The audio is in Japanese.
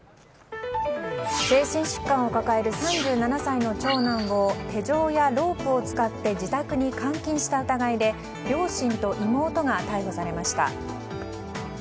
精神疾患を抱える３７歳の長男を手錠やロープを使って自宅に監禁した疑いで両親と妹が逮捕されました。